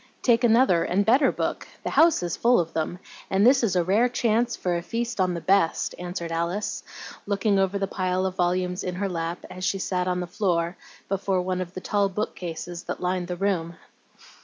"Take another and a better book; the house is full of them, and this is a rare chance for a feast on the best," answered Alice, looking over the pile of volumes in her lap, as she sat on the floor before one of the tall book cases that lined the room.